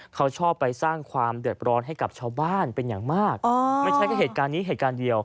เขาชอบไปสร้างความเดือดร้อนให้กับชาวบ้านเป็นอย่างมากไม่ใช่แค่เหตุการณ์นี้เหตุการณ์เดียว